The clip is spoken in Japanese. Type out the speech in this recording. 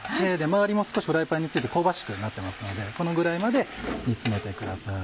周りも少しフライパンに付いて香ばしくなってますのでこのぐらいまで煮つめてください。